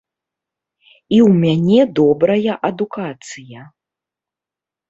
І ў мяне добрая адукацыя.